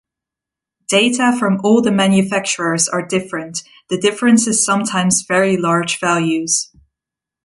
Data from all the manufacturers are different, the difference is sometimes very large values.